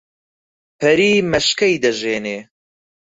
پەری مەشکەی دەژێنێ